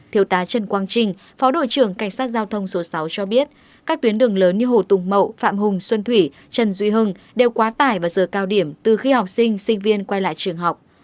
thiếu tá trần quang trình phó đội trưởng cảnh sát giao thông số sáu cho biết các tuyến đường lớn như hồ tùng mậu phạm hùng xuân thủy trần duy hưng đều quá tải vào giờ cao điểm từ khi học sinh sinh viên quay lại trường học